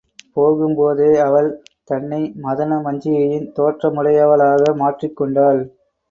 போகும் போதே அவள், தன்னை மதனமஞ்சிகையின் தோற்றமுடையவளாக மாற்றிக் கொண்டாள்.